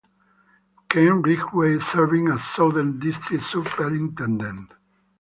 Kent Ridgway serving as Southern District Superintendent.